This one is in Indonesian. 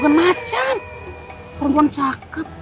bukan macan perempuan cakep